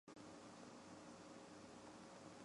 墨脱吊石苣苔为苦苣苔科吊石苣苔属下的一个种。